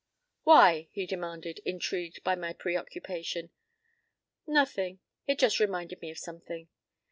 p> "Why?" he demanded, intrigued by my preoccupation. "Nothing. It just reminded me of something."